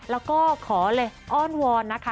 แล้วก็ขอเลยอ้อนวอนนะคะ